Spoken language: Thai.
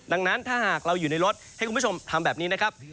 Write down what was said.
ดังนั้นถ้าหากเราอยู่ในรถให้คุณผู้ชมทำแบบนี้นะครับ